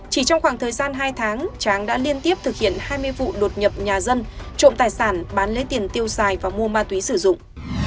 chỉ trong khoảng thời gian hai tháng tráng đã liên tiếp thực hiện hai mươi vụ đột nhập nhà dân trộm tài sản bán lấy tiền tiêu xài và mua ma túy sử dụng